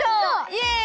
イエイ。